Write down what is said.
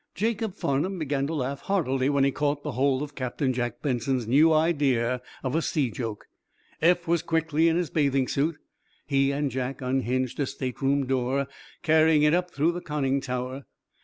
Jacob Farnum began to laugh heartily when he caught the whole of Captain Jack Benson's new idea of a sea joke. Eph was quickly in his bathing suit. He and Jack unhinged a stateroom door, carrying it up through the conning tower.